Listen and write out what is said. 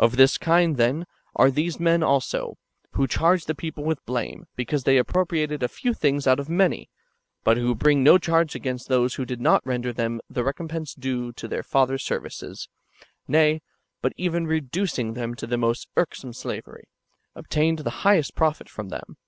Of this kind, then, are these men also, who charge the people with blame, because they appropriated a few things out of many, but who bring no charge against those who did not render them the recompense due to their fathers' services ; nay, but even reducing them to the most irksome slavery, obtained the highest profit from them.